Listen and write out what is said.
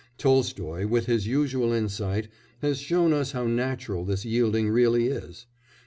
Tolstoy, with his usual insight, has shown us how natural this yielding really is.